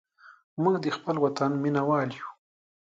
موږ د خپل وطن مینهوال یو.